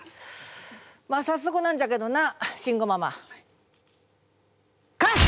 まあ早速なんじゃけどな慎吾ママ。